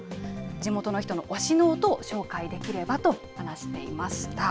地元の人の推しの音を紹介できればと話していました。